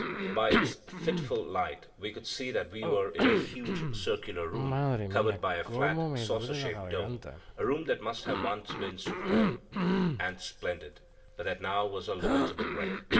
By its fitful light we could see that we were in a huge circular room covered by a flat, saucer shaped dome,—a room that must once have been superb and splendid, but that now was a lamentable wreck.